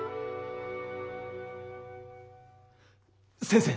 先生！